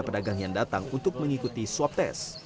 pedagang yang datang untuk mengikuti swab tes